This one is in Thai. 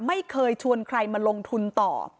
ไม่เคยชวนใครมาลงทุนต่อ